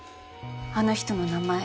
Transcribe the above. あの人の名前。